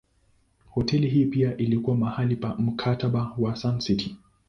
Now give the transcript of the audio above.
Hoteli hii pia ilikuwa mahali pa Mkataba wa Sun City.